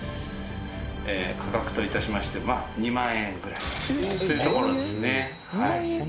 「価格と致しましては２万円ぐらいというところですね」